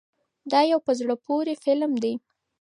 دا یو په زړه پورې فلم دی.